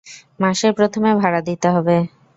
মাসের প্রথমে ভাড়া দিতে হবে।